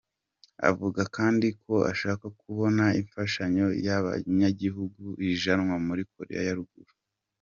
Avuga kandi ko ashaka kubona imfashanyo y'abanyagihugu ijanwa muri Korea ya ruguru.